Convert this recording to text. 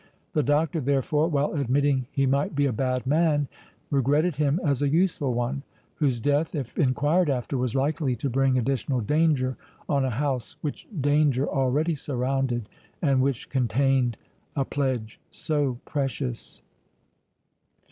The Doctor, therefore, while admitting he might be a bad man, regretted him as a useful one, whose death, if enquired after, was likely to bring additional danger on a house which danger already surrounded, and which contained a pledge so precious.